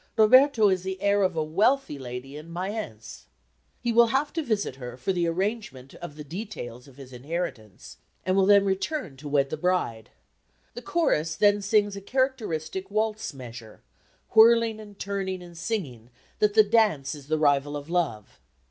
Roberto is the heir of a wealthy lady in Mayence. He will have to visit her for the arrangement of the details of his inheritance, and will then return to wed the bride. The chorus then sings a characteristic waltz measure, whirling and turning and singing that the dance is the rival of love.